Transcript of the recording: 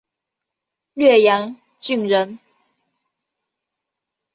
略阳郡人。